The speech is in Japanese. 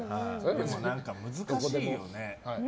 何か難しいよね。